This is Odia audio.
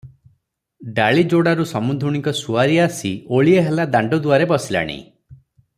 ଡାଳିଯୋଡ଼ାରୁ ସମୁନ୍ଧୁଣୀଙ୍କ ସୁଆରି ଆସି ଓଳିଏ ହେଲା ଦାଣ୍ତଦୁଆରେ ବସିଲାଣି ।